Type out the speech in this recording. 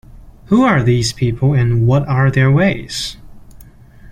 Who are these people and what are their ways?